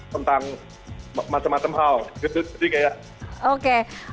tentang macam macam hal gitu jadi kayak oke